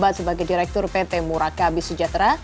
menjabat sebagai direktur pt murakabi sejahtera